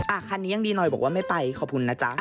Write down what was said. คันนี้ยังดีหน่อยบอกว่าไม่ไปขอบคุณนะจ๊ะ